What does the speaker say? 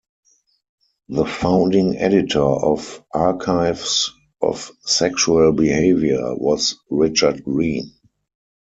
The founding editor of "Archives of Sexual Behavior" was Richard Green.